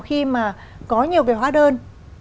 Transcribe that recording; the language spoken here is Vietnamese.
khi mà có nhiều cái hóa đơn